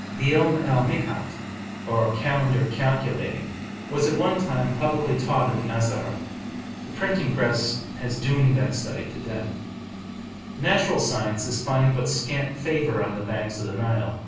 The 'Ilm al Mikat, or "Calendar calculating," was at one time publicly taught in the Azhar; the printing press has doomed that study to death. The natural sciences find but scant favour on the banks of the Nile.